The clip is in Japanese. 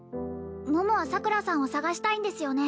桃は桜さんを捜したいんですよね